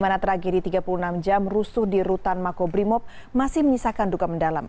di mana terakhir di tiga puluh enam jam rusuh di rutan makobrimob masih menyisakan duka mendalam